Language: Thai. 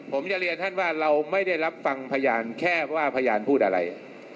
ผมจะเรียนท่านว่าเราไม่ได้รับฟังพยานแค่ว่าพยานพูดอะไร